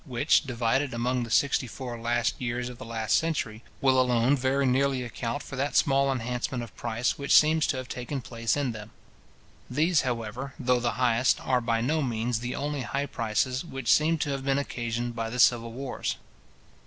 which, divided among the sixty four last years of the last century, will alone very nearly account for that small enhancement of price which seems to have taken place in them. These, however, though the highest, are by no means the only high prices which seem to have been occasioned by the civil wars.